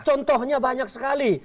contohnya banyak sekali